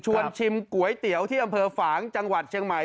ชิมก๋วยเตี๋ยวที่อำเภอฝางจังหวัดเชียงใหม่